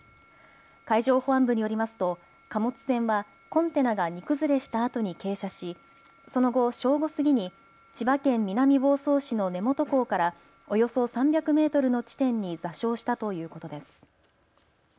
海上保安部によりますと貨物船はコンテナが荷崩れしたあとに傾斜し、その後、正午過ぎに千葉県南房総市の根本港からおよそ３００メートルの地点に座礁したということです。